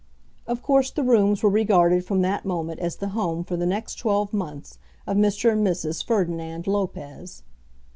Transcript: Of course the rooms were regarded from that moment as the home for the next twelve months of Mr. and Mrs. Ferdinand Lopez.